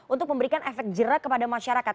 untuk memberikan efek jerak kepada masyarakat